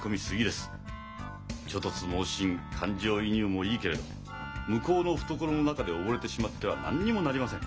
猪突猛進感情移入もいいけれど向こうの懐の中で溺れてしまっては何にもなりません。